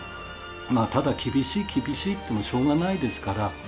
まあただ「厳しい厳しい」って言ってもしょうがないですから。